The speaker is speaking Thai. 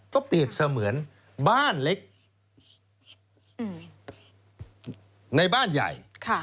ก็เปรียบเสมือนบ้านเล็กในบ้านใหญ่